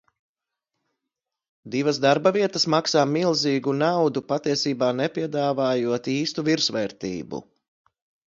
Divas darbavietas maksā milzīgu naudu, patiesībā nepiedāvājot īstu virsvērtību.